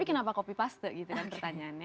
tapi kenapa kopi paste gitu kan pertanyaannya